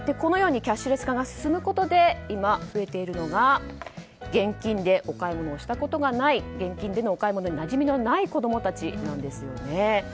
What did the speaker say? キャッシュレス化が進むことで今、増えているのが現金でお買い物をしたことがない現金でのお買い物になじみのない子供たちなんですね。